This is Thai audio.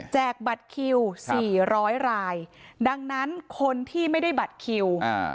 บัตรคิวสี่ร้อยรายดังนั้นคนที่ไม่ได้บัตรคิว